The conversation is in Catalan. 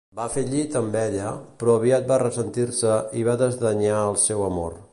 Va fer llit amb ella, però aviat va ressentir-se i va desdenyar el seu amor.